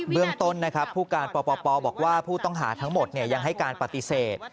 เรื่องต้นนะครับผู้การปปบอกว่าผู้ต้องหาทั้งหมดยังให้การปฏิเสธ